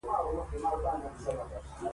حساسې مقطعې په وړاندې جلا مسیرونه انتخاب کړل.